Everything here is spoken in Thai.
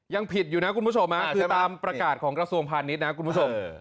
ยังผิดอยู่นะคุณผู้ชมคือตามประกาศของกระทรวงพาณิชย์นะคุณผู้ชม